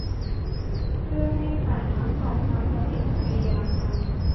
เพื่อให้สารทั้งสองทำปฏิกิริยากัน